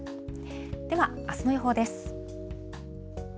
では、あすの予報です。